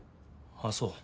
ああそう。